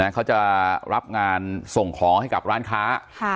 เขาจะรับงานส่งของให้กับร้านค้า